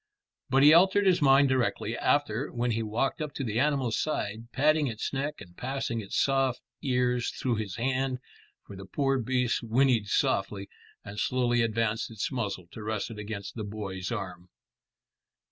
But he altered his mind directly after, when he walked up to the animal's side, patting its neck and passing its soft ears through his hand, for the poor beast whinnied softly, and slowly advanced its muzzle to rest it against the boy's arm.